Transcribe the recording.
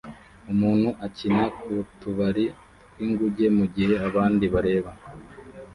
Umuntu akina ku tubari tw’inguge mugihe abandi bareba